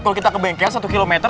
kalau kita ke bengkel satu km